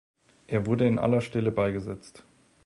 Er wurde in aller Stille beigesetzt.